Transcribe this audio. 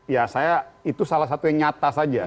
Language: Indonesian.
ya saya itu salah satu yang nyata saja